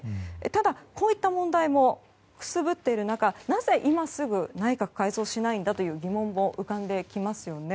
ただ、こういった問題もくすぶっている中なぜ、今すぐ内閣改造をしないんだという疑問も浮かんできますよね。